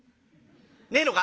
「ねえのか？」。